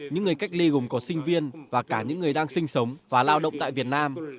những người cách ly gồm có sinh viên và cả những người đang sinh sống và lao động tại việt nam